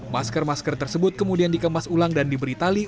masker masker tersebut kemudian dikemas ulang dan diberi tali